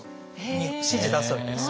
指示出すわけですよ。